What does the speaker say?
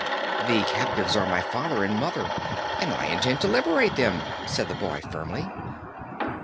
"The captives are my father and mother, and I intend to liberate them," said the boy firmly.